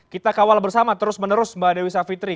kita kawal bersama terus menerus mbak dewi savitri